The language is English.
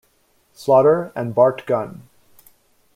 Slaughter and Bart Gunn.